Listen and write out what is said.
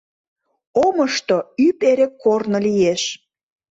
Омышто ӱп эре корно лиеш.